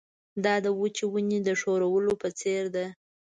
دا د وچې ونې د ښورولو په څېر ده.